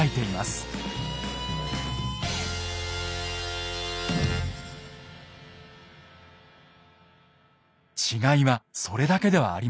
違いはそれだけではありません。